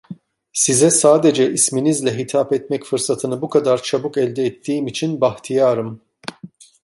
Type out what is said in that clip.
Size sadece isminizle hitap etmek fırsatını bu kadar çabuk elde ettiğim için bahtiyarım!